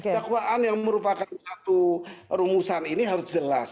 dakwaan yang merupakan satu rumusan ini harus jelas